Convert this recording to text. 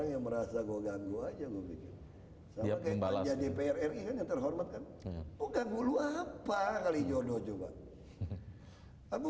hai orang yang merasa gua ganggu aja gue